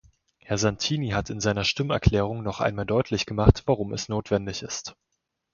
Herr Santini hat in seiner Stimmerklärung noch einmal deutlich gemacht, warum es notwendig ist.